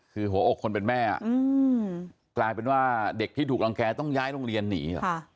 คือหัวอกคนเป็นแม่กลายเป็นว่าเด็กที่ถูกรังแก่ต้องย้ายโรงเรียนหนี